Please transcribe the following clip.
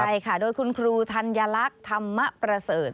ใช่ค่ะโดยคุณครูธัญลักษณ์ธรรมประเสริฐ